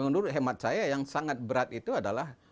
tempat saya yang sangat berat itu adalah